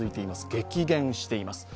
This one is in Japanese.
激減しています。